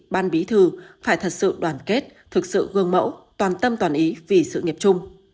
ban bí thư phải thật sự đoàn kết thực sự gương mẫu toàn tâm toàn ý vì sự nghiệp chung